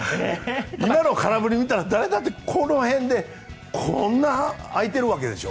今の空振り見たら誰だってこの辺でこんな開いているわけでしょ。